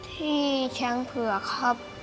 ที่ช้างเผือกครับ